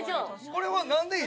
これは。